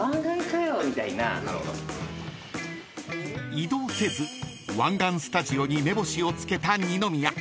［移動せず湾岸スタジオに目星を付けた二宮］